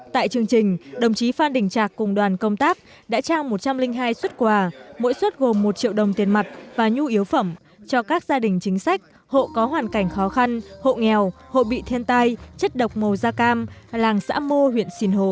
tại chương trình đồng chí phan đình trạc cùng đoàn công tác đã trao một trăm linh hai xuất quà mỗi xuất gồm một triệu đồng tiền mặt và nhu yếu phẩm cho các gia đình chính sách hộ có hoàn cảnh khó khăn hộ nghèo hộ bị thiên tai chất độc màu da cam làng xã mô huyện sìn hồ